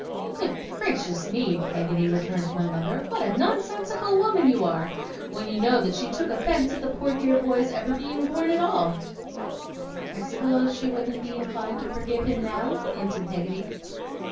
'Good gracious me, Peggotty,' returned my mother, 'what a nonsensical woman you are! when you know that she took offence at the poor dear boy's ever being born at all.' 'I suppose she wouldn't be inclined to forgive him now,' hinted Peggotty.